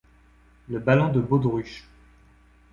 Le ballon de baudruche.